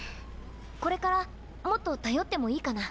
これからもっと頼ってもいいかな。